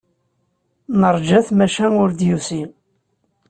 Neṛja-t maca ur d-yusi.